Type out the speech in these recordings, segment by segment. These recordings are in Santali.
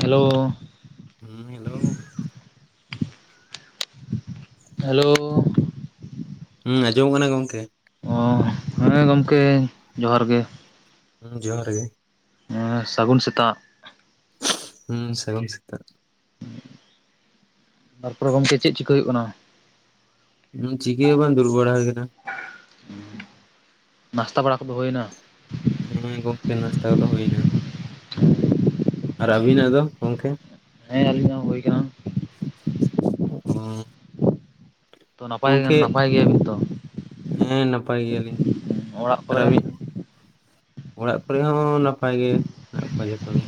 ᱦᱮᱞᱳ ᱦᱩᱸ ᱦᱮᱞᱳ ᱦᱮᱞᱳ ᱦᱮᱸ ᱟᱸᱡᱚᱢᱚᱜ ᱠᱟᱱᱟ ᱜᱚᱝᱠᱮ ᱦᱮᱸ ᱜᱚᱢᱠᱮ ᱡᱚᱦᱟᱨ ᱜᱮ ᱡᱚᱦᱟᱨ ᱜᱮ ᱦᱮᱸ ᱥᱟᱹᱜᱩᱱ ᱥᱮᱛᱟᱜ ᱦᱩᱸ ᱥᱟᱹᱜᱩᱱ ᱥᱮᱛᱟᱜ ᱛᱟᱨᱯᱚᱨᱮ ᱜᱚᱢᱠᱮ ᱪᱮᱫ ᱪᱤᱠᱟᱹ ᱦᱩᱭᱩᱜ ᱠᱟᱱᱟ? ᱦᱩᱸ ᱪᱤᱠᱟᱹ ᱜᱮ ᱵᱟᱝ ᱫᱩᱲᱩᱵ ᱵᱟᱲᱟ ᱦᱩᱭ ᱟᱠᱟᱱᱟ᱾ ᱱᱟᱥᱛᱟ ᱵᱟᱲᱟ ᱠᱚᱫᱚ ᱦᱩᱭᱱᱟ᱾ ᱦᱮᱸ ᱜᱚᱢᱠᱮ ᱱᱟᱥᱛᱟ ᱠᱚᱫᱚ ᱦᱳᱭ ᱱᱟ᱾ ᱟᱨ ᱟᱹᱵᱤᱱᱟᱜ ᱫᱚ ᱜᱚᱢᱠᱮ? ᱦᱮᱸ ᱟᱹᱞᱤᱧᱟᱜ ᱦᱚᱸ ᱦᱳᱭ ᱠᱟᱱᱟ᱾ ᱩᱸ ᱛᱚ ᱱᱟᱯᱟᱭ ᱱᱟᱯᱟᱭ ᱜᱮᱭᱟ ᱵᱤᱱ ᱛᱚ? ᱦᱮᱸ ᱱᱟᱯᱟᱭ ᱜᱮᱭᱟᱞᱤᱧ᱾ ᱚᱲᱟᱜ ᱟᱨ ᱠᱚᱨᱮ ᱟᱵᱤᱱ? ᱚᱲᱟᱜ ᱠᱚᱨᱮ ᱦᱚᱸ ᱱᱟᱯᱟᱭ ᱜᱮ ᱢᱮᱱᱟᱜ ᱠᱚᱣᱟ ᱡᱚᱛᱚ ᱜᱮ᱾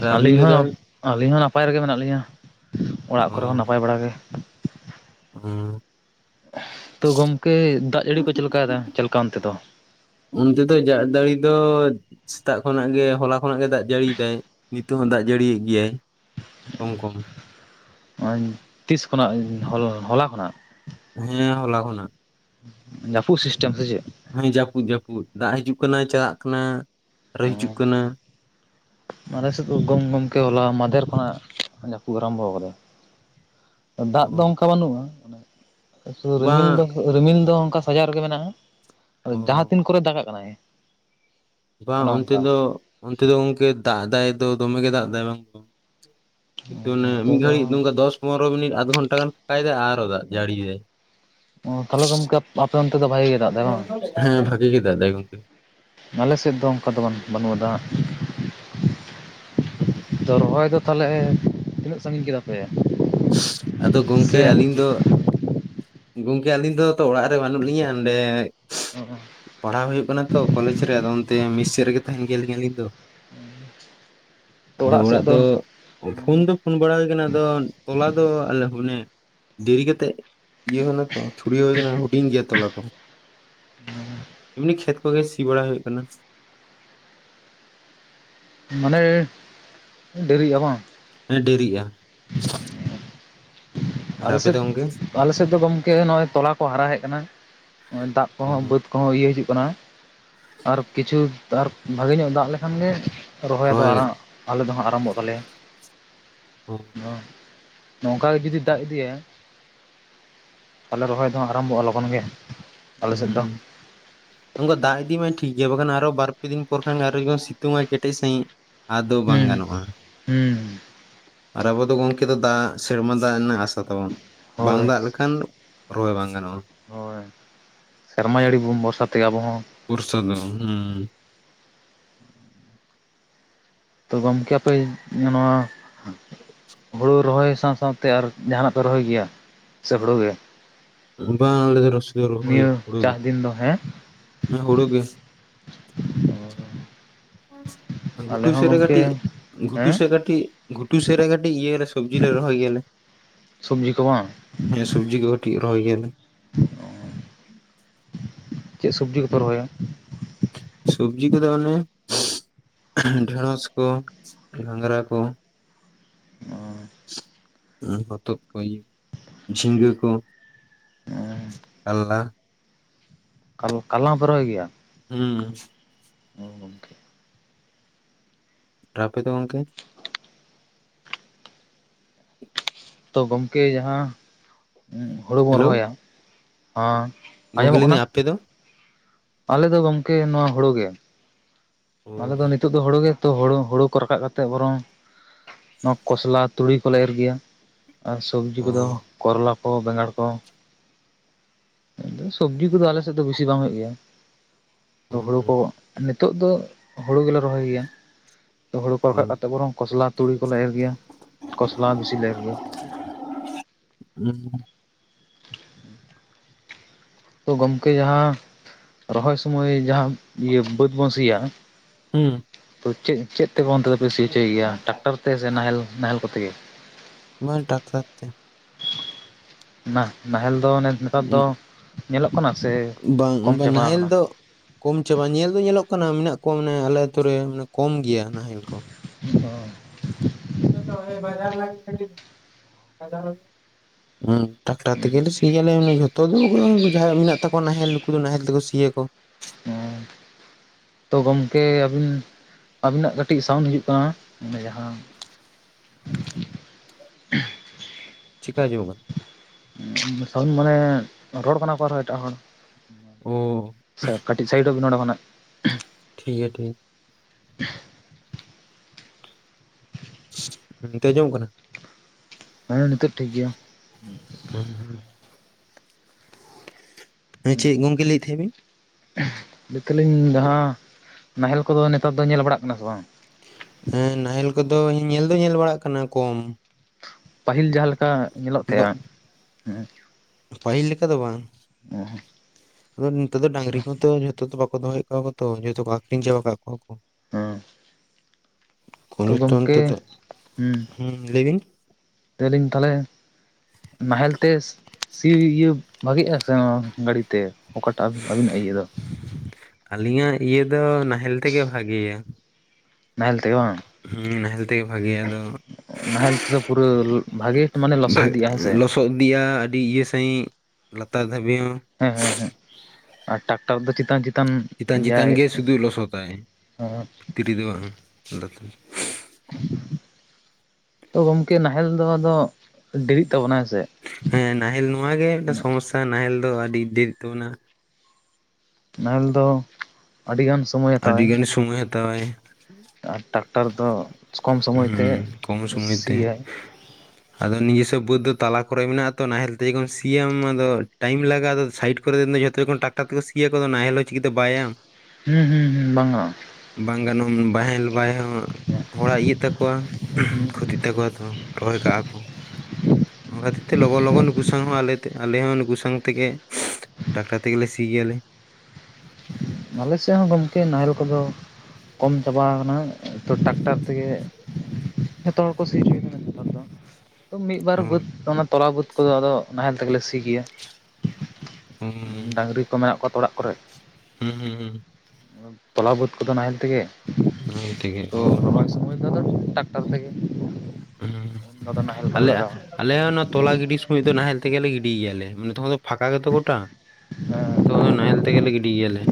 ᱟᱨ ᱟᱹᱵᱤᱱ ᱟᱹᱞᱤᱧ ᱫᱚ ᱦᱚᱸ ᱛᱟᱦᱚᱞᱮ ᱟᱹᱞᱤᱧ ᱦᱚᱸ ᱱᱟᱯᱟᱭ ᱨᱮᱜᱮ ᱢᱮᱱᱟᱜ ᱞᱤᱧᱟᱹ ᱚᱲᱟᱜ ᱠᱚᱨᱮ ᱦᱚᱸ ᱱᱟᱯᱟᱭ ᱵᱟᱲᱟ ᱜᱮ᱾ ᱦᱩᱸ ᱛᱚ ᱜᱚᱝᱠᱮ ᱫᱟᱜ ᱡᱟᱹᱲᱤ ᱠᱚ ᱪᱮᱫ ᱞᱮᱠᱟᱫᱟ ᱪᱮᱫ ᱞᱮᱠᱟ ᱚᱱᱛᱮ ᱫᱚ? ᱚᱱᱛᱮ ᱫᱚ ᱡᱟᱜ ᱫᱟᱲᱤ ᱫᱚ ᱥᱮᱛᱟᱜ ᱠᱷᱚᱱᱟᱜ ᱜᱮ ᱦᱚᱞᱟ ᱠᱷᱚᱱᱟᱜ ᱜᱮ ᱫᱟᱜ ᱡᱟᱹᱲᱤᱭᱫᱟᱭ ᱱᱤᱛᱚᱜ ᱦᱚᱸ ᱫᱟᱜ ᱡᱟᱹᱲᱤᱭᱮᱫ ᱜᱮᱭᱟᱭ ᱠᱚᱢ ᱠᱚᱢ, ᱛᱤᱥ ᱠᱷᱚᱱᱟᱜ ᱦᱚᱞ ᱦᱚᱞᱟ ᱠᱷᱚᱱᱟᱜ? ᱦᱮᱸ ᱦᱚᱞᱟ ᱠᱷᱚᱱᱟᱜ᱾ ᱡᱟᱹᱯᱩᱫ ᱥᱤᱥᱴᱮᱢ ᱥᱮ ᱪᱮᱫ? ᱦᱮᱸ ᱡᱟᱹᱯᱩᱫ ᱡᱟᱹᱯᱩᱫ ᱫᱟᱜ ᱦᱤᱡᱩᱜ ᱠᱟᱱᱟ ᱪᱟᱞᱟᱜ ᱠᱟᱱᱟ ᱟᱨ ᱦᱤᱡᱩᱜ ᱠᱟᱱᱟ᱾ ᱟᱞᱮ ᱥᱮᱫ ᱫᱚ ᱠᱚᱢ ᱜᱚᱢᱠᱮ ᱦᱚᱞᱟ ᱢᱟᱫᱷᱮᱨ ᱠᱷᱚᱱᱟᱜ ᱡᱟᱹᱯᱩᱫ ᱟᱨᱟᱢᱵᱚ ᱟᱠᱟᱫᱟᱭ᱾ ᱫᱟᱜ ᱫᱚ ᱚ ᱚᱱᱠᱟ ᱵᱟᱹᱱᱩᱜᱼᱟ᱾ ᱚᱱᱮ ᱨᱤᱢᱤᱞ ᱫᱚ ᱵᱟᱝ ᱨᱤᱢᱤᱞ ᱫᱚ ᱚᱱᱠᱟ ᱥᱟᱡᱟᱣ ᱨᱮᱜᱮ ᱢᱮᱱᱟᱜᱼᱟ᱾ ᱚ ᱡᱟᱦᱟᱸ ᱛᱤᱱ ᱠᱚᱨᱮ ᱫᱟᱜᱼᱟᱜ ᱠᱟᱱᱟᱭ᱾ ᱵᱟᱝ ᱚᱱᱮ ᱚᱱᱛᱮ ᱚᱱᱠᱟ ᱫᱚ, ᱚᱱᱛᱮ ᱫᱚ ᱜᱚᱝᱠᱮ ᱫᱟᱜ ᱫᱟᱭ ᱫᱚ ᱫᱚᱢᱮ ᱜᱮ ᱫᱟᱜ ᱫᱟᱭ ᱵᱟᱝ ᱠᱤᱱᱛᱩ ᱚᱱᱮ ᱱᱚᱛᱮ ᱢᱤᱫ ᱫᱚ ᱜᱷᱟᱹᱲᱤᱡ ᱱᱚᱝᱠᱟ ᱫᱚᱥ ᱯᱚᱱᱨᱚ ᱢᱤᱱᱤᱴ ᱟᱫᱽ ᱜᱷᱚᱱᱴᱟ ᱜᱟᱱ ᱯᱷᱟᱠᱟᱭ ᱫᱟᱭ ᱟᱨ ᱦᱚᱸ ᱫᱟᱜ ᱡᱟᱹᱲᱤᱭᱮᱫᱟᱭ᱾ ᱚ, ᱛᱟᱦᱚᱞᱮ ᱜᱚᱢᱠᱮ ᱟᱯᱮ ᱚᱱᱛᱮ ᱫᱚ ᱵᱷᱟᱹᱜᱤ ᱜᱮ ᱫᱟᱜ ᱮᱫᱟᱭ ᱵᱟᱝ ᱦᱮᱸ ᱵᱷᱟᱹᱜᱤ ᱜᱮ ᱫᱟᱜ ᱫᱟᱭ ᱜᱚᱝᱠᱮ᱾ ᱟᱞᱮ ᱥᱮᱫ ᱫᱚ ᱚᱱᱠᱟ ᱫᱚ ᱵᱟᱝ ᱵᱟᱹᱱᱩᱜ-ᱟ ᱫᱟᱜ᱾ ᱦᱩᱸ, ᱛᱚ ᱨᱚᱦᱚᱭ ᱫᱚ ᱛᱟᱦᱚᱞᱮ ᱛᱤᱱᱟᱹᱜ ᱥᱟᱺᱜᱤᱧ ᱠᱮᱫᱟ? ᱟᱫᱚ [unintelligible] ᱜᱚᱝᱠᱮ ᱥᱮ ᱟᱹᱞᱤᱧ ᱫᱚ ᱜᱚᱝᱠᱮ ᱟᱹᱞᱤᱧ ᱫᱚ ᱛᱚ ᱚᱲᱟᱜ ᱨᱮ ᱵᱟᱹᱱᱩᱜ ᱞᱤᱧᱟᱹ ᱱᱚᱸᱰᱮ ᱯᱟᱲᱦᱟᱣ ᱦᱳᱭᱳᱜ ᱠᱟᱱᱟ ᱛᱚ ᱠᱚᱞᱮᱡᱽ ᱨᱮ ᱟᱫᱚ ᱚᱱᱛᱮ ᱢᱤᱥ ᱥᱮᱫ ᱨᱮᱜᱮ ᱛᱟᱦᱮᱱ ᱜᱮᱭᱟᱞᱤᱧ ᱟᱹᱞᱤᱧ ᱫᱚ᱾ ᱟᱫᱚ ᱚᱲᱟᱜ ᱫᱚ ᱯᱷᱳᱱ ᱫᱚ ᱯᱷᱱ ᱵᱟᱲᱟ ᱦᱩᱭ ᱟᱠᱟᱱᱟ᱾ ᱟᱫᱚ ᱛᱚᱞᱟ ᱫᱚ ᱟᱞᱮ ᱚᱱᱮ ᱫᱮᱨᱤ ᱠᱟᱛᱮᱜ ᱤᱭᱟᱹ ᱠᱟᱱᱟ ᱛᱚ ᱪᱷᱩᱲᱤᱭᱟᱹ ᱦᱩᱭ ᱠᱟᱱᱟ ᱦᱩᱰᱤᱧ ᱜᱮᱭᱟ ᱛᱚᱞᱟ ᱠᱚᱦᱚ᱾ ᱮᱢᱱᱤ ᱠᱷᱮᱛ ᱠᱚᱜᱮ ᱥᱤ ᱵᱟᱲᱟ ᱦᱩᱭᱩᱜ ᱠᱟᱱᱟ᱾ ᱢᱟᱱᱮ ᱫᱮᱨᱤᱜᱼᱟ ᱵᱟᱝ? ᱦᱮᱸ ᱰᱤᱨᱤᱜᱼᱟ᱾ ᱟᱨ ᱟᱯᱮ ᱟᱞᱮᱥᱮᱫ, ᱫᱚ ᱜᱚᱝᱠᱮ ᱟᱞᱮᱥᱮᱫ ᱫᱚ ᱜᱚᱝᱠᱮ ᱱᱚᱜᱼᱚᱭ ᱛᱚᱞᱟ ᱠᱚ ᱦᱟᱨᱟ ᱦᱮᱡ ᱟᱠᱟᱱᱟ᱾ ᱱᱚᱜᱼᱚᱭ ᱫᱟᱜ ᱚ ᱠᱚᱦᱚᱸ ᱵᱟᱹᱫᱽ ᱠᱚᱦᱚᱸ ᱤᱭᱟᱹ ᱦᱤᱡᱩᱜ ᱠᱟᱱᱟ, ᱟᱨ ᱠᱤᱪᱷᱩ ᱟᱨ ᱵᱷᱟᱜᱮ ᱧᱚᱜ ᱫᱟᱜ ᱞᱮᱠᱷᱟᱱ ᱜᱮ ᱨᱚᱦᱚᱭ ᱫᱚ ᱟᱨᱚᱸ ᱟᱞᱮ ᱫᱚ ᱦᱟᱸᱜ ᱟᱨᱚᱢᱵᱷᱚᱜ ᱛᱟᱞᱮᱭᱟ᱾ ᱦᱚᱸ᱾ ᱱᱚᱝᱠᱟ ᱜᱮ ᱡᱩᱫᱤ ᱫᱟᱜ ᱤᱫᱤᱭᱟ ᱛᱟᱞᱮ ᱨᱚᱦᱚᱭ ᱫᱚ ᱟᱨᱟᱢᱵᱷᱚᱜᱼᱟ ᱞᱚᱜᱚᱱ ᱜᱮ᱾ ᱟᱞᱮ ᱥᱮᱫ ᱫᱚ ᱦᱩᱸ᱾ ᱚᱱᱠᱟ ᱫᱟᱜ ᱤᱫᱤᱢᱟᱭ ᱴᱷᱤᱠ ᱜᱮᱭᱟ, ᱵᱟᱠᱷᱟᱱ ᱟᱨᱚ ᱵᱟᱨ ᱯᱮ ᱫᱤᱱ ᱯᱚᱨ ᱠᱷᱟᱱ ᱟᱨᱚ ᱥᱤᱛᱩᱝ ᱟᱭ ᱠᱮᱴᱮᱡ ᱥᱟᱺᱦᱤᱡ ᱟᱫᱚ ᱵᱟᱝ ᱦᱩᱸ ᱜᱟᱱᱚᱜᱼᱟ᱾ ᱦᱩᱸ ᱟᱨ ᱟᱵᱚ ᱫᱚ ᱜᱚᱝᱠᱮ ᱛᱚ ᱫᱟᱜ, ᱥᱮᱨᱢᱟ ᱫᱟᱜ ᱨᱮᱱᱟᱜ ᱟᱥᱟ ᱛᱟᱵᱚᱱ᱾ ᱵᱟᱝ ᱦᱳᱭ ᱫᱟᱜ ᱞᱮᱠᱷᱟᱱ ᱨᱚᱦᱚᱭ ᱵᱟᱝ ᱜᱟᱱᱚᱜᱼᱟ᱾ ᱦᱳᱭ, ᱥᱮᱨᱢᱟ ᱡᱟᱹᱲᱤ ᱵᱚᱱ ᱵᱚᱨᱥᱟ ᱛᱮᱜᱮ ᱟᱵᱚ ᱦᱚᱸ ᱵᱚᱨᱥᱚ ᱫᱚ ᱦᱩᱸ ᱾ ᱛᱚ ᱜᱚᱝᱠᱮ ᱟᱯᱮ ᱧᱮ ᱱᱚᱣᱟ ᱦᱩᱲᱩ ᱨᱚᱦᱚᱭ ᱥᱟᱶ ᱥᱟᱶᱛᱮ ᱟᱨ ᱡᱟᱦᱟᱱᱟᱜ ᱯᱮ ᱨᱚᱦᱚᱭ ᱜᱮᱭᱟ ᱥᱮ ᱦᱩᱲᱩ ᱜᱮ? ᱵᱟᱝ ᱟᱞᱮ ᱫᱚ ᱨᱚᱥᱮᱭᱟᱹ ᱨᱚᱦᱚᱭ ᱱᱤᱭᱟᱹ ᱦᱩᱲᱩ ᱜᱮ ᱪᱟᱥ ᱫᱤᱱ ᱫᱚ ᱦᱮᱸ ᱾ ᱦᱮᱸ ᱦᱩᱲᱩ ᱜᱮ ᱾ ᱟᱞᱮ ᱜᱷᱩᱴᱩ ᱦᱚᱸ ᱥᱮᱜ ᱨᱮ ᱜᱚᱢᱠᱮ ᱠᱟᱹᱴᱤᱡ, ᱜᱷᱩᱴᱩ ᱦᱮᱸ ᱥᱮ ᱨᱮᱴᱤᱡ ᱜᱷᱩᱴᱩᱭ ᱥᱮᱜ ᱨᱮ ᱠᱟᱹᱴᱤᱡ ᱤᱭᱟᱹ ᱞᱮ ᱥᱚᱵᱽᱡᱤ ᱞᱮ ᱨᱚᱦᱚᱭ ᱜᱮᱭᱟ ᱞᱮ, ᱥᱚᱵᱽᱡᱤ ᱠᱚ ᱵᱟᱝ ᱦᱮᱸ ᱥᱚᱵᱽᱡᱤ ᱠᱚ ᱠᱟᱹᱴᱤᱡ ᱨᱚᱦᱚᱭ ᱜᱮᱭᱟ ᱞᱮ ᱾ ᱪᱮᱫ ᱥᱚᱵᱽᱡᱤ ᱠᱚᱯᱮ ᱨᱚᱦᱚᱭᱟ? ᱥᱚᱵᱽᱡᱤ ᱠᱚᱫᱚ ᱚᱱᱮ ᱰᱷᱮᱲᱚᱥ ᱠᱚ ᱜᱷᱟᱝᱜᱽᱨᱟ ᱠᱚ ᱦᱚᱛᱚᱜ ᱠᱚ ᱤᱭᱟᱹ ᱡᱷᱤᱸᱜᱟᱹ ᱠᱚ ᱠᱟᱞᱞᱟ ᱠᱟᱞ ᱠᱟᱞᱞᱟ ᱦᱚᱸ ᱯᱮ ᱨᱚᱦᱚᱭ ᱜᱮᱭᱟ? ᱦᱩᱸ᱾ ᱦᱚᱸ ᱜᱚᱝᱠᱮ᱾ ᱟᱯᱮ ᱫᱚ ᱜᱚᱝᱠᱮ? ᱛᱚ ᱜᱚᱝᱠᱮ, ᱡᱟᱦᱟᱸ ᱦᱩᱲᱩ ᱵᱚᱱ ᱦᱮᱞᱳ ᱨᱚᱦᱚᱭᱟ ᱜᱚᱝᱠᱮ ᱟᱸᱡᱚᱢᱚᱜ ᱞᱟᱹᱭ ᱠᱟᱱᱟ ᱫᱤᱧ ᱟᱯᱮ ᱫᱚ? ᱟᱞᱮ ᱫᱚ ᱜᱚᱝᱠᱮ ᱱᱚᱣᱟ ᱦᱳᱲᱳ ᱜᱮ᱾ ᱚ ᱟᱞᱮ ᱫᱚ ᱱᱤᱛᱳᱜ ᱫᱚ ᱦᱳᱲᱳ ᱜᱮ, ᱛᱚ ᱦᱳᱲᱳ ᱦᱳᱲᱳ ᱠᱚ ᱨᱟᱠᱟᱵ ᱠᱟᱛᱮᱫ ᱵᱚᱨᱚᱝ ᱱᱚᱣᱟ ᱠᱚᱥᱞᱟ ᱛᱩᱲᱤ ᱠᱚᱞᱮ ᱮᱨ ᱜᱮᱭᱟ, ᱟᱨ ᱥᱚᱵᱽᱡᱤ ᱚ ᱠᱚᱫᱚ ᱠᱚᱨᱚᱞᱟ ᱠᱚ ᱵᱮᱸᱜᱟᱲ ᱠᱚ ᱥᱚᱵᱽᱡᱤ ᱠᱚᱫᱚ ᱟᱞᱮ ᱥᱮᱫ ᱫᱚ ᱵᱤᱥᱤ ᱵᱟᱝ ᱦᱩᱭᱩᱜ ᱜᱮᱭᱟ ᱾ ᱦᱳᱲᱳ ᱠᱚ ᱱᱤᱛᱚᱜ ᱫᱚ ᱦᱳᱲᱳ ᱜᱮᱞᱮ ᱨᱚᱦᱚᱭ ᱜᱮᱭᱟ ᱾ ᱦᱳᱲᱳ ᱠᱚ ᱚ ᱨᱟᱠᱟᱵ ᱠᱟᱛᱮᱫ ᱵᱚᱨᱚᱝ ᱠᱷᱚᱥᱞᱟ ᱛᱩᱲᱤ ᱠᱚᱞᱮ ᱮᱨ ᱜᱮᱭᱟ, ᱠᱷᱚᱥᱞᱟ ᱵᱮᱥᱤ ᱞᱮ ᱮᱨ ᱜᱮᱭᱟ ᱾ [unintelligible] ᱛᱚ ᱜᱚᱢᱠᱮ ᱡᱟᱦᱟᱸ ᱨᱚᱦᱚᱭ ᱥᱚᱢᱚᱭ ᱡᱟᱦᱟᱸ ᱤᱭᱟᱹ ᱵᱟᱹᱫᱽ ᱵᱚᱱ ᱥᱤᱭᱟ ᱦᱩᱸ ᱾ ᱛᱚ ᱪᱮᱫ ᱪᱮᱫ ᱛᱮ ᱚᱱᱛᱮ ᱫᱚᱯᱮ ᱥᱤ ᱦᱚᱪᱚᱭ ᱜᱮᱭᱟ? ᱴᱟᱠᱴᱟᱨ ᱛᱮ ᱥᱮ ᱱᱟᱦᱮᱞ ᱱᱟᱦᱮᱞ ᱠᱚᱛᱮ ᱜᱮ ᱾ ᱵᱟ ᱴᱟᱠᱴᱟᱨ ᱛᱮ ᱾ ᱱᱟ ᱱᱟᱦᱮᱞ ᱫᱚ ᱱᱮᱛᱟᱨ ᱫᱚ ᱧᱮᱞᱚᱜ ᱠᱟᱱᱟ ᱥᱮ ᱵᱟᱝ ᱠᱚᱢ ᱪᱟᱵᱟ ᱱᱟᱦᱮᱞ ᱟᱠᱟᱱᱟ? ᱫᱚ ᱠᱚᱢ ᱪᱟᱵᱟ ᱧᱮᱞ ᱫᱚ ᱧᱮᱞᱚᱜ ᱠᱟᱱᱟ ᱢᱮᱱᱟᱜ ᱠᱚᱣᱟ ᱢᱟᱱᱮ ᱟᱞᱮ ᱟᱛᱩ ᱨᱮ ᱢᱟᱱᱮ ᱠᱚᱢ ᱜᱮᱭᱟ ᱱᱟᱦᱮᱞ ᱠᱚ ᱾ [inaudible] [unintelligible] ᱦᱩᱸ ᱴᱟᱠᱴᱟᱨ ᱛᱮᱜᱮ ᱞᱮ ᱥᱤᱭᱟ ᱾ ᱦᱮᱸ ᱡᱷᱚᱛᱚ ᱫᱚ ᱡᱟᱦᱟᱸᱭᱟᱜ ᱢᱮᱱᱟᱜ ᱛᱟᱠᱚᱣᱟ ᱱᱟᱦᱮᱞ ᱱᱩᱠᱩ ᱫᱚ ᱱᱟᱦᱮᱞ ᱛᱮᱠᱚ ᱥᱤᱭ ᱟᱠᱚ [inaudible] ᱛᱚ ᱜᱚᱢᱠᱮ ᱟᱹᱵᱤᱱ, ᱟᱹᱵᱤᱱᱟᱜ ᱠᱟᱹᱴᱤᱡ ᱥᱟᱣᱩᱱᱰ ᱦᱤᱡᱩᱜ ᱠᱟᱱᱟ ᱚᱱᱮ ᱡᱟᱦᱟᱸ ᱪᱤᱠᱟ ᱟᱸᱡᱚᱢᱚᱜ ᱠᱟᱱᱟ? ᱥᱟᱣᱩᱱ ᱢᱟᱱᱮ ᱨᱚᱲ ᱠᱟᱱᱟ ᱠᱚ ᱟᱨᱦᱚᱸ ᱮᱴᱟᱜ ᱦᱚᱲ᱾ ᱚ ᱥᱟᱹ ᱠᱟᱹᱴᱤᱡ ᱥᱟᱭᱤᱰᱚᱜ ᱵᱤᱱ ᱚᱸᱰᱮ ᱠᱷᱚᱱᱟᱜ᱾ ᱴᱷᱤᱠ ᱜᱮᱭᱟ ᱴᱷᱤᱠᱼᱼ ᱱᱤᱛᱚᱜ ᱟᱸᱡᱚᱢᱚᱜ ᱠᱟᱱᱟ? ᱦᱮᱸ ᱱᱤᱛᱚᱜ ᱴᱷᱤᱠ ᱜᱮᱭᱟ᱾ ᱩᱸ ᱦᱩᱸ ᱦᱩᱸ ᱾ ᱦᱮᱸ ᱪᱮᱜ ᱜᱚᱝᱠᱮ ᱞᱟᱹᱭᱮᱜ ᱛᱟᱦᱮᱸᱜ ᱵᱤᱱ? [unintelligible] ᱫᱟᱞᱤᱧ ᱡᱟᱦᱟᱸ ᱱᱟᱦᱮᱞ ᱠᱚᱫᱚ ᱱᱮᱛᱚᱜ ᱫᱚ ᱧᱮᱞ ᱵᱟᱲᱟᱜ ᱠᱟᱱᱟ ᱥᱮ ᱵᱟᱝᱼᱟ? ᱦᱮᱸ ᱱᱟᱦᱮᱞ ᱠᱚᱫᱚ ᱧᱮᱞ ᱫᱚ ᱧᱮᱞ ᱵᱟᱲᱟᱜ ᱠᱟᱱᱟ ᱠᱚᱢᱼᱼ ᱯᱟᱹᱦᱤᱞ ᱡᱟᱦᱟᱸ ᱞᱮᱠᱟ ᱧᱮᱞᱚᱜ ᱛᱟᱦᱮᱸᱜᱼᱟ ᱦᱮᱸ, ᱯᱟᱹᱦᱤᱞ ᱞᱮᱠᱟ ᱫᱚ ᱵᱟᱝ᱾ ᱮᱸ ᱦᱮᱸ ᱾ ᱟᱫᱚ ᱱᱤᱛᱚᱜ ᱫᱚ ᱰᱟᱝᱨᱤ ᱠᱚᱦᱚᱸ ᱛᱚ ᱡᱚᱛᱚ ᱛᱚ ᱵᱟᱠᱚ ᱫᱚᱦᱚᱭᱮᱜ ᱠᱚᱣᱟ ᱠᱚ ᱛᱚ ᱡᱚᱛᱚ ᱠᱚ ᱟᱠᱷᱨᱤᱧ ᱪᱟᱵᱟ ᱠᱟᱜ ᱠᱚᱣᱟ ᱠᱚ᱾ ᱦᱚᱸᱻ [unintelligible] ᱚᱱᱛᱮ ᱫᱚ, ᱦᱩᱸ ᱞᱟᱹᱭ ᱵᱤᱱᱼᱼ ᱞᱟᱹᱭᱮᱜᱼᱟ ᱞᱤᱧ ᱛᱟᱦᱞᱮ ᱱᱟᱦᱮᱞ ᱛᱮᱥᱼᱼ ᱥᱤ ᱤᱭᱟᱹ ᱵᱷᱟᱜᱤᱼᱟ ᱥᱮ ᱱᱚᱣᱟ ᱜᱟᱰᱤ ᱛᱮ ᱚᱠᱟᱴᱟᱜ ᱟᱵᱤᱱᱟᱜ ᱤᱭᱟᱹ ᱫᱚ? ᱟᱹᱞᱤᱧᱟᱜ ᱤᱭᱟᱹ ᱫᱚ ᱱᱟᱦᱮᱞ ᱛᱮᱜᱮ ᱵᱷᱟᱜᱤᱭᱟ᱾ ᱱᱟᱦᱮᱞ ᱛᱮᱜᱮ ᱵᱟᱝ? ᱦᱩᱸ ᱱᱟᱦᱮᱞ ᱛᱮᱜᱮ ᱵᱷᱟᱜᱮᱭᱟ, ᱟᱫᱚ? ᱱᱟᱦᱮᱞ ᱛᱮᱫᱚ ᱯᱩᱨᱟᱹ ᱵᱷᱟᱜᱮ ᱢᱟᱱᱮ ᱞᱚᱥᱚᱫ ᱤᱫᱤᱜᱼᱟ᱾ ᱥᱮ ᱞᱚᱥᱚᱜ ᱤᱫᱤᱜᱼᱟ, ᱟᱹᱰᱤ ᱤᱭᱟᱹ ᱥᱟᱺᱦᱤᱸᱜ ᱞᱟᱛᱟᱨ ᱫᱷᱟᱹᱵᱤᱡ ᱦᱚᱸ᱾ ᱦᱮᱸ ᱦᱮᱸ ᱦᱮᱸ ᱟᱨ ᱴᱟᱠᱴᱟᱨ ᱫᱚ ᱪᱮᱛᱟᱱ ᱪᱮᱛᱼᱼ ᱪᱮᱛᱟᱱᱼᱪᱮᱛᱟᱱ ᱜᱮ ᱥᱩᱫᱩ ᱞᱚᱥᱚᱛᱟᱭ ᱦᱮᱸ ᱵᱷᱤᱛᱨᱤ ᱫᱚ ᱵᱟᱝᱼᱟ, ᱚᱱᱟᱛᱮ᱾ ᱛᱚ ᱜᱚᱝᱠᱮ ᱱᱟᱦᱮᱞ ᱫᱚ ᱟᱫᱚ ᱰᱤᱨᱤᱜ ᱛᱟᱵᱚᱱᱟ ᱦᱮᱸᱥᱮ? ᱦᱮᱸ ᱱᱟᱦᱮᱞ ᱱᱚᱣᱟᱣᱟᱜ ᱜᱮ ᱢᱤᱫᱴᱟᱝ ᱥᱚᱢᱚᱥ ᱥᱟ ᱱᱟᱦᱮᱞ ᱫᱚ ᱟᱹᱰᱤ ᱫᱮᱨᱤᱜ ᱛᱟᱵᱚᱱᱟ᱾ ᱱᱟᱦᱮᱞ ᱫᱚ ᱟᱹᱰᱤ ᱜᱟᱱᱼᱼ ᱟᱹᱰᱤᱜᱟᱱ ᱥᱚᱢᱚᱭᱮ ᱦᱟᱛᱟᱣᱟᱭ᱾ ᱟᱨ ᱴᱨᱟᱠᱴᱟᱨ ᱫᱚᱼᱼ ᱦᱩᱸ ᱠᱚᱢᱮ ᱥᱚᱢᱚᱭ ᱛᱮ᱾ ᱟᱫᱚ ᱱᱤᱡᱮ ᱦᱤᱥᱟᱵ ᱵᱟᱹᱫᱽ ᱫᱚ ᱛᱟᱞᱟ ᱠᱚᱨᱮ ᱢᱮᱱᱟᱜᱼᱟ, ᱛᱚ ᱱᱟᱦᱮᱞ ᱛᱮ ᱜᱮ ᱵᱚᱱ ᱥᱤ ᱟᱫᱚ ᱴᱟᱭᱤᱢ ᱞᱟᱜᱟᱜᱼᱟ, ᱟᱫᱚ ᱥᱟᱭᱤᱰᱼᱼ [unintelligible] ᱫᱤᱱ ᱫᱚ ᱡᱚᱛᱚ ᱡᱚᱠᱷᱚᱱ ᱴᱟᱠᱴᱟᱨ ᱛᱮᱠᱚ ᱥᱤᱭᱟᱠᱚ ᱫᱚ ᱱᱟᱦᱮᱞ ᱦᱚᱸ ᱪᱤᱠᱟᱹᱛᱮ ᱵᱟᱭᱟᱢ᱾ ᱦᱩᱸ ᱦᱩᱸ ᱦᱩᱸ ᱵᱟᱝᱼᱟ᱾ ᱵᱟᱝ ᱜᱟᱱᱚᱜ ᱵᱟᱸᱦᱮᱞ ᱵᱟᱭ ᱦᱚᱸ ᱦᱚᱲᱟᱜ ᱤᱭᱟᱹᱼᱼ ᱛᱟᱠᱚᱣᱟ ᱠᱷᱚᱛᱤᱜ ᱛᱟᱠᱚᱣᱟ ᱛᱚ ᱨᱚᱦᱚᱭ ᱠᱟᱜᱼᱟ ᱠᱚ, ᱱᱚᱣᱟ ᱠᱷᱟᱹᱛᱤᱨ ᱛᱮ ᱞᱚᱜᱚᱱ ᱞᱚᱜᱚᱱ ᱱᱩᱠᱩ ᱥᱟᱶ ᱦᱚᱸ ᱟᱞᱮᱛᱮ, ᱟᱞᱮ ᱦᱚᱸ ᱱᱩᱠᱩ ᱥᱟᱶ ᱛᱮᱜᱮᱼᱼ ᱴᱟᱠᱴᱟᱨ ᱛᱮᱜᱮ ᱞᱮ ᱥᱤ ᱜᱮᱭᱟᱞᱮ᱾ ᱟᱞᱮ ᱥᱮᱜ ᱦᱚᱸ ᱜᱚᱝᱠᱮ ᱱᱟᱦᱮᱞ ᱠᱚᱫᱚᱼᱼ ᱠᱚᱢ ᱪᱟᱵᱟᱣ ᱠᱟᱱᱟ ᱛᱚ ᱴᱟᱠᱴᱟᱨ ᱛᱮᱜᱮᱼᱼ ᱡᱚᱛᱚ ᱦᱚᱲᱠᱚ ᱥᱤ ᱦᱚᱪᱚᱭᱮᱫᱟ ᱱᱮᱛᱟᱨ ᱫᱚ᱾ ᱛᱚ ᱢᱤᱜ ᱵᱟᱨ ᱚ ᱦᱩᱸ ᱵᱟᱹᱫᱽ ᱚᱱᱟ ᱛᱚᱞᱟ ᱵᱟᱹᱫᱽ ᱠᱚᱫᱚ ᱟᱫᱚ ᱱᱟᱦᱮᱞ ᱛᱮᱜᱮᱞᱮ ᱥᱤ ᱜᱮᱭᱟ᱾ ᱰᱟᱝᱨᱤ ᱠᱚ ᱢᱮᱱᱟᱜ ᱠᱚᱣᱟ ᱛᱚ ᱚᱲᱟᱜ ᱠᱚᱨᱮᱜ᱾ ᱦᱩᱸ ᱦᱩᱸ ᱦᱩ ᱛᱚᱞᱟ ᱵᱟᱹᱫᱽ ᱠᱚᱫᱚ ᱱᱟᱦᱮᱞ ᱛᱮᱜᱮ? ᱱᱟᱦᱮᱞ ᱛᱮᱜᱮ ᱚ᱾ ᱴᱮᱠᱴᱟᱨ ᱛᱮᱜᱮ ᱦᱩᱸ ᱩᱱᱫᱚ ᱟᱫᱚ ᱱᱟᱦᱮᱞ ᱵᱟᱞᱮ ᱟᱞᱮᱼᱟ᱾ ᱞᱟᱜᱟᱣᱟ ᱟᱞᱮ ᱦᱚᱸ ᱚᱱᱟ ᱛᱚᱞᱟ ᱜᱤᱰᱤ ᱥᱚᱢᱚᱭ ᱫᱚ ᱱᱟᱦᱮᱞ ᱛᱮᱜᱮᱞᱮ ᱜᱤᱰᱤ ᱜᱮᱭᱟᱞᱮ ᱢᱟᱱᱮ ᱛᱚᱠᱷᱚᱱ ᱫᱚ ᱯᱷᱟᱸᱠᱟ ᱜᱮᱛᱚ ᱜᱚᱴᱟ᱾ ᱛᱚᱠᱷᱚᱱ ᱫᱚ ᱱᱟᱦᱮᱞ ᱛᱮᱜᱮᱞᱮ ᱜᱤᱰᱤ ᱜᱮᱭᱟᱞᱮ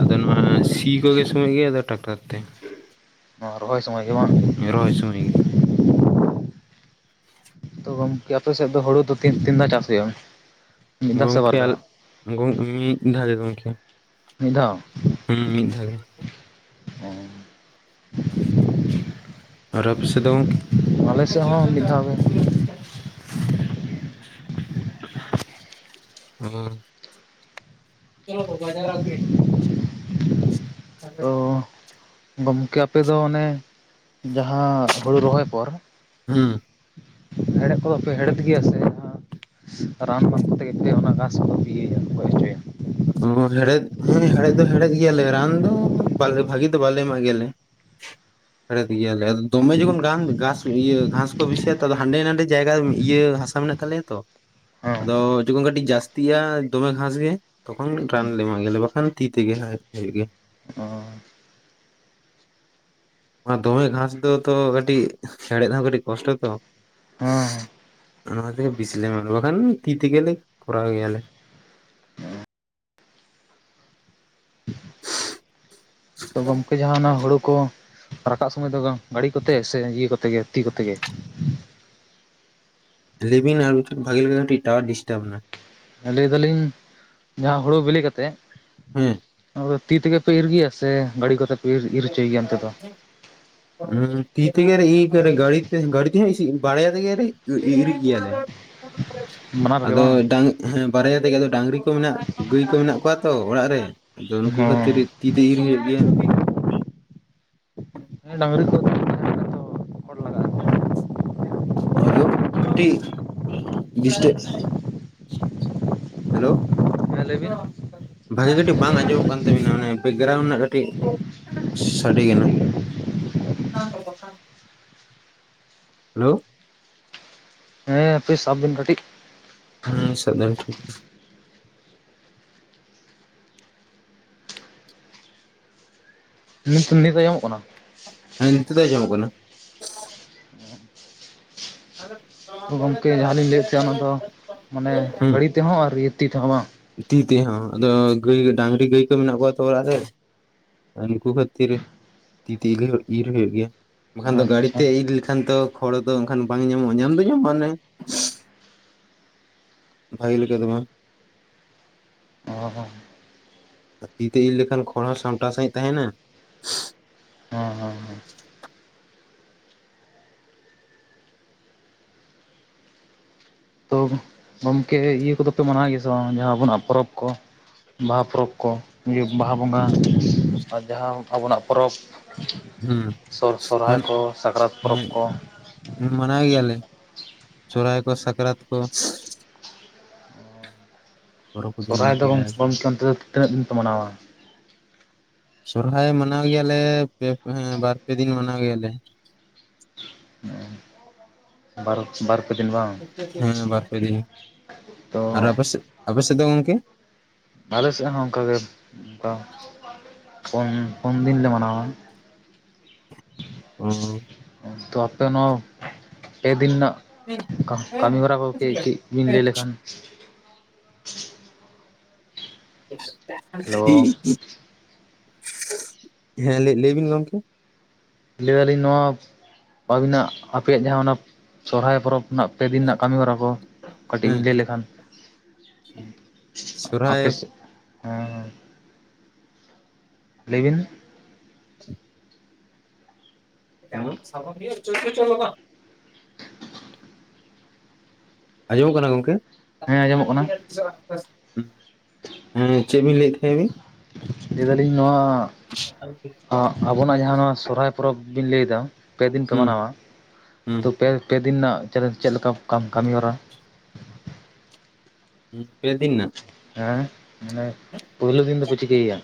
ᱟᱫᱚ, ᱱᱚᱣᱟ ᱥᱤ ᱠᱚᱜᱮ ᱥᱚᱢᱚᱭ ᱜᱮ ᱟᱫᱚ ᱴᱟᱠᱴᱟᱨ᱾ ᱛᱮ ᱱᱚᱣᱟ ᱨᱚᱦᱚᱭ ᱥᱚᱢᱚᱭ ᱜᱮ ᱵᱟᱝ᱾ ᱨᱚᱦᱚᱭ ᱥᱚᱚᱭ ᱜᱮ᱾ ᱛᱚ ᱜᱚᱝᱠᱮ ᱟᱯᱮ ᱥᱮᱫ ᱫᱚ ᱦᱩᱲᱩ ᱫᱚᱤᱱ ᱛᱤᱱ ᱫᱷᱣ ᱪᱟᱥ ᱦᱩᱭᱩᱜ-ᱟ᱾ ᱜᱚᱝᱠᱮ ᱟᱞᱮ ᱢᱤᱫ ᱫᱷᱟᱣ ᱜᱮ ᱜᱚᱝᱠᱮ᱾ ᱢᱤᱫ ᱫᱷᱟᱣ᱾ ᱦᱩᱸ ᱢᱤᱫ ᱫᱷᱟᱣ ᱜᱮ᱾ [unintelligible] ᱟᱨ ᱟᱯᱮ ᱥᱮᱫ ᱫᱚ ᱜᱚᱝᱠᱮ? ᱟᱞᱮ ᱥᱮᱫ ᱦᱚᱸ ᱢᱤᱫ ᱫᱷᱟᱣ ᱜᱮ ᱦᱩᱸ [inaudible] ᱵᱟᱡᱟᱨ [inaudible] [unintelligible] ᱜᱚᱝᱠᱮ ᱟᱯᱮ ᱫᱚ ᱚᱱᱮ ᱡᱟᱦᱟᱸ ᱦᱩᱲᱩ ᱨᱚᱦᱚᱭ ᱯᱚᱨ᱾ ᱦᱩᱸ ᱦᱮᱲᱦᱮᱫ ᱠᱚᱫᱚ ᱯᱮ ᱦᱮᱲᱦᱮᱫ ᱜᱮᱭᱟ ᱥᱮ᱾ ᱨᱟᱱ ᱢᱟᱱ ᱠᱟᱛᱮ ᱜᱮ ᱚᱱᱟ ᱜᱷᱟᱥ ᱠᱚ ᱤᱭᱟᱹᱭᱟ ᱜᱚᱡ ᱦᱚᱪᱚᱭᱟ᱾ ᱚ ᱦᱮᱲᱦᱮᱫ ᱦᱮᱸ ᱦᱮᱦᱮᱫ ᱫᱚ ᱦᱮᱲᱦᱮᱫ ᱜᱮᱭᱟᱞᱮ ᱨᱟᱱ ᱫᱚ, ᱵᱷᱟᱜᱤ ᱫᱚ ᱵᱟᱞᱮ ᱮᱢᱟᱜ ᱜᱮᱭᱟᱞᱮ᱾ ᱦᱮᱲᱮᱫ ᱜᱮᱭᱟᱞᱮ ᱟᱫᱚ ᱫᱚᱢᱮ ᱡᱚᱠᱷᱚᱱ ᱜᱷᱟᱥ ᱜᱷᱟᱥ ᱤᱭᱟᱹ ᱜᱷᱟᱥ᱾ ᱵᱤᱥᱤᱭᱟ ᱛᱚ ᱦᱟᱸᱰᱮ ᱱᱟᱰᱮ ᱡᱟᱭᱜᱟ ᱤᱭᱟᱹ ᱦᱟᱥᱟ ᱢᱮᱱᱟᱜ ᱛᱟᱞᱮᱭᱟ ᱛᱚ, ᱦᱮᱸ ᱟᱫᱚ ᱡᱚᱠᱷᱚᱱ ᱠᱟᱹᱴᱤᱡ ᱡᱟᱥᱛᱤ᱾ ᱛᱤᱭᱟ ᱫᱚᱢᱮ ᱜᱷᱟᱥ ᱜᱮ᱾ ᱛᱚᱠᱷᱚᱱ ᱨᱟᱱ ᱞᱮ ᱮᱢᱟᱜ ᱜᱮᱭᱟᱞᱮ, ᱵᱟᱠᱷᱟᱱ ᱛᱤ ᱛᱮᱜᱮ ᱦᱩᱭᱩᱜ ᱜᱮᱭᱟ᱾ ᱚ [unintelligible] ᱫᱚᱢᱮ ᱜᱷᱟᱸᱥ ᱫᱚ ᱛᱚ ᱠᱟᱹᱴᱤᱡ ᱦᱮᱲᱮᱫ ᱦᱚᱸ ᱠᱟᱹᱴᱤᱡ ᱠᱚᱥᱴᱚ ᱛᱚ᱾ ᱦᱮᱸ ᱦᱮᱸ ᱚᱱᱟ ᱜᱮ ᱵᱤᱥᱤ ᱢᱟᱢᱮᱞᱟ ᱵᱟᱠᱷᱟᱱ ᱛᱤ ᱛᱮᱜᱮ ᱞᱮ ᱠᱚᱨᱟᱣ ᱜᱮᱭᱟᱞᱮ᱾ ᱛᱚ ᱜᱚᱝᱠᱮ ᱡᱟᱦᱟᱸᱟᱱᱟᱜ ᱦᱩᱲᱩ ᱠᱚ ᱨᱟᱠᱟᱵ ᱥᱚᱢᱚᱭ ᱫᱚ ᱜᱟᱹᱲᱤ ᱠᱚᱛᱮ ᱥᱮ ᱤᱭᱟᱹ ᱠᱚᱛᱮ ᱜᱮ ᱛᱤ ᱠᱚᱛᱮ ᱜᱮ᱾ ᱞᱮᱵᱤᱱ ᱟᱨ ᱢᱤᱴᱟᱱ ᱵᱷᱟᱜᱤ ᱞᱮᱠᱟ‌ ᱠᱟᱹᱴᱤᱡ ᱴᱟᱭᱟᱨ ᱰᱤᱥᱴᱟᱵ ᱱᱟ᱾ ᱞᱟᱹᱭ ᱫᱟᱞᱤᱧ ᱡᱟᱦᱟᱸ ᱦᱩᱲᱩ ᱵᱤᱞᱤ ᱠᱟᱛᱮᱜ᱾ ᱦᱮᱸ ᱟᱫᱚ ᱛᱤ ᱛᱮᱜᱮ ᱯᱮ ᱤᱨ ᱜᱮᱭᱟ ᱥᱮ ᱜᱟᱹᱲᱤ ᱠᱚᱛᱮ᱾ ᱯᱮ ᱤᱨ [unintelligible] ᱤᱨ ᱦᱚᱪᱚᱭ ᱜᱮᱭᱟ ᱚᱱᱛᱮ ᱫᱚ ᱦᱮᱸ ᱛᱤ ᱛᱮᱜᱮ ᱤᱨ ᱜᱟᱹᱲᱤ ᱛᱮ ᱜᱟᱹᱲᱤ ᱛᱮ ᱵᱟᱲᱭᱟ ᱛᱮᱜᱮ ᱤᱨ ᱜᱮᱭᱟᱞᱮ᱾ ᱵᱟᱱᱟᱨ ᱜᱮ ᱟᱫᱚ ᱵᱟᱝ ᱰᱟᱝ᱾ ᱦᱮᱸ ᱵᱟᱨᱭᱟ ᱛᱮ ᱜᱮ ᱟᱫᱚ ᱰᱟᱝᱨᱤ ᱠᱚ, ᱢᱮᱱᱟᱜ ᱜᱟᱹᱭ ᱠᱚ ᱢᱮᱱᱟᱜ ᱠᱚᱣᱟ ᱛᱚ ᱚᱲᱟᱜ ᱨᱮ ᱟᱫᱚ ᱱᱩᱠᱩ ᱠᱷᱟᱛᱤᱨ᱾ ᱛᱤ ᱛᱮ ᱤᱨ ᱦᱩᱭᱩᱜ ᱜᱮᱭᱟ᱾ ᱰᱟᱝᱨᱤ ᱠᱚᱫᱚ᱾ [unintelligible] ᱦᱮᱞᱳ [inaudible] ᱦᱮᱞᱳ ᱦᱮᱸ ᱞᱟᱹᱭ ᱵᱤᱱ ᱵᱷᱟᱜᱮ ᱠᱟᱹᱴᱤᱡ ᱵᱟᱝ ᱟᱸᱡᱚᱢᱚᱜ ᱠᱟᱱ ᱛᱟᱵᱤᱱᱟ ᱚᱱᱮ ᱵᱮᱠᱜᱨᱟᱣᱩᱱ ᱨᱮᱱᱟᱜ ᱠᱟᱹᱴᱤᱡ᱾ ᱥᱟᱰᱮ ᱜᱮᱱᱟ᱾ ᱦᱮᱞᱳ ᱦᱮᱸ ᱦᱟᱯᱮ ᱥᱟᱵ ᱵᱤᱱ ᱠᱟᱹᱴᱤᱡ ᱦᱮᱸ ᱥᱟᱵ [unintelligible] ᱱᱤᱛ ᱱᱤᱛ ᱟᱸᱡᱚᱢᱚᱜ ᱠᱟᱱᱟ᱾ ᱦᱮ ᱱᱤᱛᱚᱜ ᱫᱚ ᱟᱸᱡᱚᱢᱚᱜ ᱠᱟᱱᱟ᱾ [inaudible] ᱛᱚ ᱜᱚᱢᱠᱮ ᱡᱟᱦᱟᱸ ᱞᱤᱧ ᱞᱟᱹᱭᱮᱫ ᱛᱟᱦᱮᱸ ᱚᱱᱟ ᱫᱚ ᱢᱟᱱᱮ ᱜᱟᱹᱲᱤ ᱛᱮᱦᱚᱸ ᱟᱨ ᱛᱤ ᱛᱮᱦᱚᱸ [unintelligible] ᱛᱤ ᱛᱮᱦᱚᱸ ᱟᱫᱚ ᱜᱟᱹᱭ ᱰᱟᱝᱨᱤ ᱜᱟᱹᱭ ᱠᱚ ᱢᱮᱱᱟᱜ ᱠᱚᱣᱟ ᱛᱚ ᱚᱲᱟᱜ ᱨᱮ᱾ ᱩᱱᱠᱩ ᱠᱷᱟᱹᱛᱤᱨ ᱛᱤ ᱛᱤᱜᱮ ᱤᱨ ᱦᱩᱭᱩᱜ ᱜᱮᱭᱟ᱾ ᱵᱟᱠᱷᱟᱱ ᱵᱟᱝ ᱫᱚ ᱜᱟᱹᱲᱤ ᱟᱪᱪᱷᱟ ᱛᱮ ᱤᱨ ᱞᱮᱠᱷᱟᱱ ᱛᱚ ᱠᱷᱚᱲᱚ ᱫᱚ ᱟᱠᱷᱟᱱ ᱵᱟᱝ ᱧᱟᱢᱚᱜᱼᱟ ᱧᱟᱢ ᱫᱚ ᱧᱟᱢᱚᱜᱼᱟ ᱚᱱᱮ ᱵᱷᱟᱜᱮ ᱞᱮᱠᱟ ᱫᱚ ᱵᱟᱝ ᱾ ᱚ ᱦᱚ ᱸ ᱛᱤᱛᱮ ᱤᱨ ᱞᱮᱠᱷᱟᱱ ᱠᱷᱚᱲ ᱦᱚᱸ ᱥᱟᱢᱴᱟᱣ ᱥᱟᱸᱦᱤᱡ ᱛᱟᱦᱮᱸᱱᱟ᱾ ᱦᱚᱸ ᱦᱚᱸ ᱦᱚᱸ ᱛᱚ ᱜᱚᱢᱠᱮ ᱤᱭᱟᱹ ᱠᱚᱫᱚ ᱯᱮ ᱢᱟᱱᱟᱣ ᱜᱮᱭᱟ ᱥᱮ ᱵᱟᱝ ᱡᱟᱦᱟᱸ ᱟᱵᱚᱱᱟᱜ ᱯᱚᱨᱚᱵᱽ ᱠᱚ? ᱵᱟᱦᱟ ᱯᱚᱨᱚᱵᱽ ᱠᱚ ᱤᱭᱟᱹ ᱵᱟᱦᱟ ᱵᱚᱸᱜᱟ ᱟᱨ ᱡᱟᱦᱟᱸ ᱟᱵᱚᱱᱟᱜ ᱯᱚᱨᱚᱵᱽ ᱦᱩᱸ ᱾ ᱥᱚᱨ ᱥᱚᱨᱦᱟᱭ ᱢᱟᱱ ᱠᱚ ᱥᱟᱠᱨᱟᱛ ᱯᱚᱨᱚᱵᱽ ᱦᱮᱸ ᱠᱚ? ᱢᱟᱱᱟᱣ ᱜᱮᱭᱟᱞᱮ ᱥᱩᱨᱦᱟᱭ ᱠᱚ ᱥᱟᱠᱨᱟᱛ ᱠᱚ᱾ [inaudible] ᱠᱚᱫᱚ ᱥᱚᱨᱦᱟᱭ ᱢᱟᱱᱟᱣ ᱫᱚ ᱜᱮᱭᱟ ᱜᱚᱝᱠᱮ ᱚᱱᱛᱮ ᱫᱚ ᱛᱤᱱᱟᱹᱜ ᱫᱤᱱ ᱯᱮ ᱢᱟᱱᱟᱣᱟ? ᱥᱚᱨᱦᱟᱭ ᱢᱟᱱᱟᱣ ᱜᱮᱭᱟᱞᱮ ᱯᱮ ᱵᱟᱨ ᱯᱮ ᱫᱤᱱ ᱢᱟᱱᱟᱣ ᱜᱮᱭᱟᱞᱮ᱾ ᱵᱟᱨ ᱵᱟᱨᱯᱮ ᱫᱤᱱ ᱵᱟᱝ ᱦᱮᱸ ᱵᱟᱨᱯᱮ ᱫᱤᱱ, ᱛᱚ ᱟᱨ ᱟᱯᱮ ᱥᱮᱫ ᱟᱯᱮ ᱥᱮᱫ ᱫᱚ ᱜᱚᱝᱠᱮ? ᱟᱞᱮ ᱥᱮᱫ ᱦᱚᱸ ᱚᱱᱠᱟᱜᱮ ᱯᱩᱱ ᱯᱩᱱ ᱫᱤᱱ ᱞᱮ ᱢᱟᱱᱟᱣᱟ᱾ ᱚ ᱛᱚ ᱟᱯᱮ ᱱᱚᱣᱟ ᱯᱮ ᱫᱤᱱ ᱨᱮᱱᱟᱜ ᱠᱟ-ᱠᱟᱹᱢᱤ ᱦᱚᱨᱟ ᱠᱚ ᱠᱟᱹᱡ ᱠᱟᱹᱡ ᱵᱤᱱ ᱞᱟᱹᱭ ᱞᱮᱠᱷᱟᱱ? ᱦᱮᱞᱳ [unintelligible] ᱦᱮᱸ ᱞᱟᱹᱻ ᱞᱟᱹᱭ ᱵᱤᱱ ᱜᱚᱝᱠᱮ ᱞᱟᱹᱭ ᱫᱟᱞᱤᱧ ᱱᱚᱣᱟ ᱟᱹᱵᱤᱱᱟᱜ ᱟᱯᱮᱭᱟᱜ ᱡᱟᱦᱟᱸ ᱚᱱᱟ ᱥᱚᱨᱦᱟᱭ ᱯᱚᱨᱚᱵᱽ ᱨᱮᱱᱟᱜ ᱯᱮ ᱫᱤᱱ ᱨᱮᱱᱟᱜ ᱠᱟᱹᱢᱤ ᱦᱚᱨᱟ ᱠᱚ ᱠᱟᱹᱴᱤᱡ ᱦᱮᱸ ᱵᱤᱱ ᱞᱟᱹᱭ ᱞᱮᱠᱷᱟᱱ ᱥᱚᱨᱦᱟᱭ ᱟᱯᱮ ᱥᱮᱫ [unintelligible] ᱞᱟᱹᱭ ᱵᱤᱱ᱾ [unintelligible] ᱟᱸᱡᱚᱢᱚᱜ ᱠᱟᱱᱟ ᱜᱚᱝᱠᱮ᱾ ᱦᱮᱸ ᱟᱸᱡᱚᱢᱚᱜ ᱠᱟᱱᱟ [unintelligible] ᱦᱮᱸ ᱪᱮᱫ ᱵᱤᱱ ᱞᱟᱹᱭᱮᱫ ᱛᱟᱦᱮᱸ ᱵᱤᱱ᱾ ᱞᱟᱹᱭ ᱫᱟᱞᱤᱧ ᱱᱚᱣᱟ ᱟᱻᱟᱵᱚᱱᱟᱜ ᱡᱟᱦᱟᱸ ᱱᱚᱣᱟ ᱥᱚᱨᱦᱟᱭ ᱯᱚᱨᱚᱵᱽ ᱵᱤᱱ ᱞᱟᱹᱭᱫᱟ᱾ ᱯᱮ ᱫᱤᱱ ᱯᱮ ᱦᱩᱸ ᱢᱟᱱᱟᱣᱼᱟ᱾ ᱛᱚ ᱯᱮ ᱯᱮ ᱫᱤᱱ ᱨᱮᱱᱟᱜ ᱪᱮᱫ ᱪᱮᱫ ᱞᱮᱠᱟ ᱠᱟᱻᱠᱟᱹᱢᱤᱦᱚᱨᱟ? ᱯᱮ ᱫᱤᱱ ᱨᱮᱱᱟᱜ᱾ ᱦᱮᱸ ᱢᱟᱱᱮ ᱯᱩᱭᱞᱩ ᱫᱤᱱ ᱫᱚᱯᱮ ᱪᱤᱠᱟᱹᱭᱮᱭᱟ?